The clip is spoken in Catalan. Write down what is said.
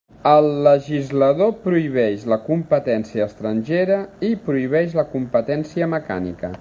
El legislador prohibeix la competència estrangera i prohibeix la competència mecànica.